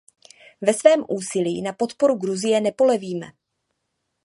Ve svém úsilí na podporu Gruzie nepolevíme.